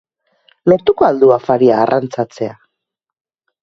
Lortuko al du afaria arrantzatzea?